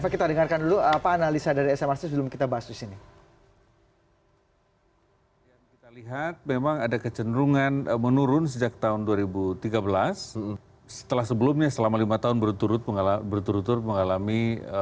kami akan segera kembali